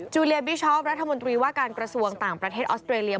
เลียบิชอปรัฐมนตรีว่าการกระทรวงต่างประเทศออสเตรเลีย